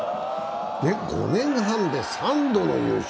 で、５年半で３度の優勝。